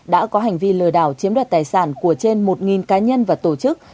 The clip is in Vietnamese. đã có hành vi lừa đảo chiếm đoạt tài sản của trên một cá nhân và tổ chức